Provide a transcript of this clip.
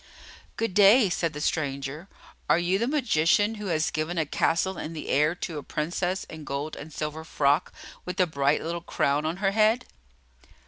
"Good day," said the stranger. "Are you the magician who has given a castle in the air to a Princess in a gold and silver frock with a bright little crown on her head?"